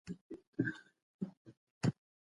دا ټکر د لمر د وړانګو مخنیوی کولی شي.